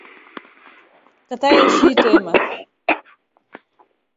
Tata eshi itema.